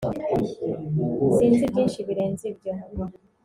sinzi byinshi birenze ibyo